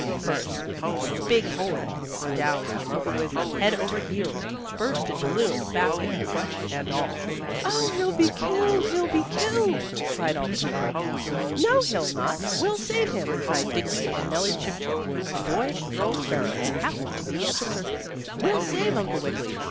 it burst, with a big hole in it. Down came Uncle Wiggily, head over heels, bursted balloon, basket, crutch and all. "Oh, he'll be killed! He'll be killed!" cried all the people. "No, he'll not! We'll save him!" cried Dickie and Nellie Chip Chip, the boy and girl sparrow, who happened to be at the circus. "We'll save Uncle Wiggily!"